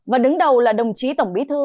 và đứng đầu là đồng chí tổng bí thư